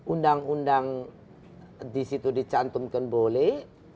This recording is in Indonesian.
undang undang di situ dicantumkan boleh